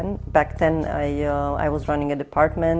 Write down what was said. sebelum itu saya menguruskan departemen